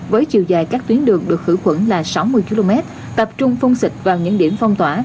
với chiều dài các tuyến đường được khử khuẩn là sáu mươi km tập trung phun xịt vào những điểm phong tỏa